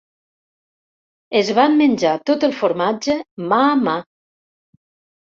Es van menjar tot el formatge mà a mà.